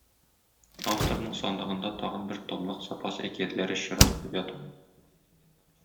Авторның сандыгында тагын бер томлык запас әкиятләре чират көтеп ята.